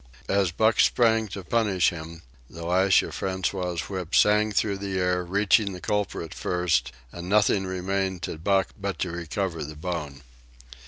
As Buck sprang to punish him, the lash of François's whip sang through the air, reaching the culprit first; and nothing remained to Buck but to recover the bone.